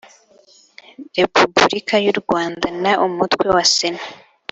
repubulika y u rwanda na umutwe wa sena